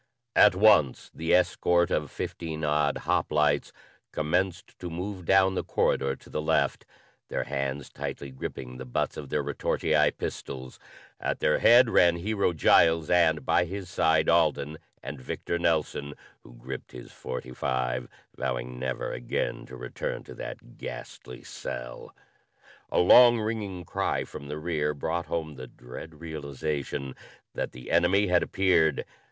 At once the escort of fifteen odd hoplites commenced to move down the corridor to the left, their hands tightly gripping the butts of their retortii pistols. At their head ran Hero Giles, and by his side Alden and Victor Nelson, who gripped his .45 vowing never again to return to that ghastly cell. A long ringing cry from the rear brought home the dread realization that the enemy had appeared.